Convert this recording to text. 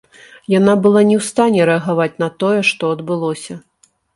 Яна была не ў стане рэагаваць на тое, што адбылося.